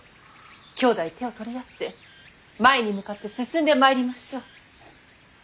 きょうだい手を取り合って前に向かって進んでまいりましょう。